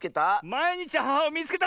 「まいにちアハハをみいつけた！」